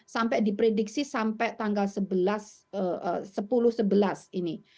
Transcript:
sampai diprediksi sampai tanggal sepuluh sebelas ini